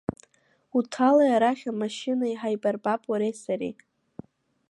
Уҭали арахь амашьына, иҳаибарбап уареи сареи!